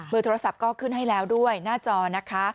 โดยโทรศัพท์ก็ขึ้นให้แล้วด้วยหน้าจอนะคะ